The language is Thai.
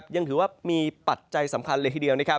ยังถือว่ามีปัจจัยสำคัญเลยทีเดียว